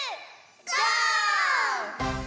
ゴー！